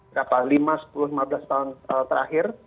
berapa lima sepuluh lima belas tahun terakhir